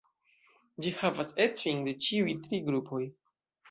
Ĝi havas ecojn de ĉiuj tri grupoj.